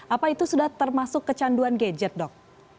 apa itu sudah termasuk kecanduan gadget dok